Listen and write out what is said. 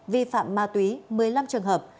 vi phạm ma túy một mươi năm trường hợp